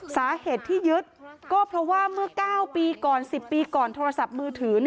สาเหตุที่ยึดก็เพราะว่าเมื่อ๙ปีก่อน๑๐ปีก่อนโทรศัพท์มือถือ